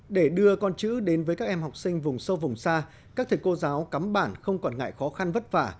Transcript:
để đưa con chữ đến với các em học sinh vùng sâu vùng xa các thầy cô giáo cắm bản không quản ngại khó khăn vất vả